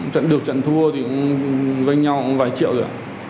khi được trận thua thì cũng gây nhau vài triệu rồi